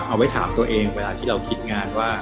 เอาไว้ถามตัวเองเวลาที่เราคิดงานว่า